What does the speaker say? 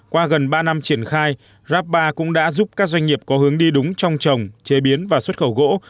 qua gần ba năm triển khai rapba cũng đã giúp các doanh nghiệp có hướng đi đúng trong trồng chế biến và xuất khẩu gỗ